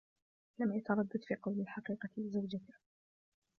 لم يتردد في قول الحقيقة لزوجته.